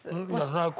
最高。